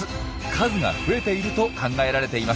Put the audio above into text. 数が増えていると考えられています。